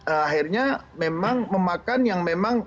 akhirnya memang memakan yang memang